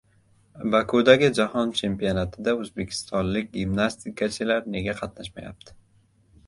Bakudagi jahon chempionatida o‘zbekistonlik gimnastikachilar nega qatnashmayapti?